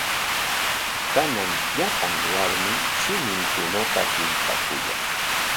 Kanan llapan warmim shiminkunata pintakuyan.